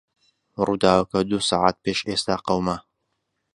ڕووداوەکە دوو سەعات پێش ئێستا قەوما.